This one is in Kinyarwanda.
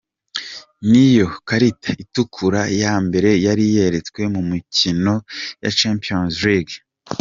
Ni yo karita itukura ya mbere yari yeretswe mu mikino ya Champions League.